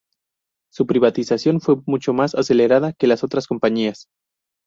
Su privatización fue mucho más acelerada que la de otras compañías.